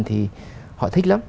thì họ thích lắm